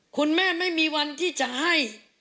คุณแม่ไม่มีวันที่จะให้